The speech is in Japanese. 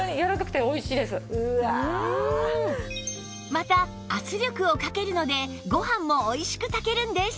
また圧力をかけるのでご飯もおいしく炊けるんです